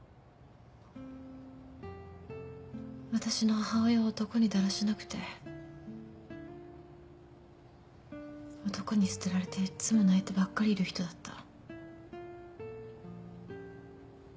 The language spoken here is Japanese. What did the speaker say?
私の母親は男にだらしなくて男に捨てられていっつも泣いてばっかりいる人だった。